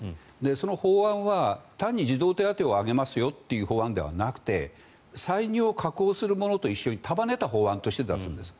その法案は単に児童手当を上げますよという法案ではなくて歳入を確保するものと一緒に束ねた法案として出すんです。